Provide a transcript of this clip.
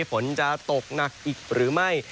ฝนจะตกหนักอีกหรือไม่